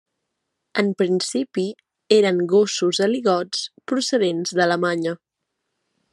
En principi eren gossos aligots procedents d'Alemanya.